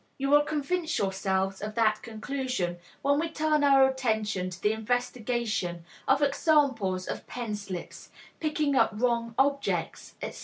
You will convince yourselves of that conclusion when we turn our attention to the investigation of examples of pen slips, picking up wrong objects, etc.